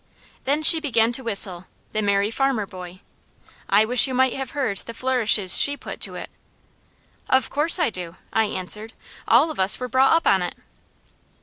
Then she began to whistle "The Merry Farmer Boy." I wish you might have heard the flourishes she put to it. "Of course I do," I answered. "All of us were brought up on it."